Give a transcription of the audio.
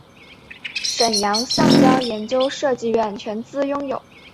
沈阳橡胶研究设计院全资拥有。